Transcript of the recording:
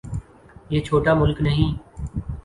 یہ چھوٹا ملک نہیں۔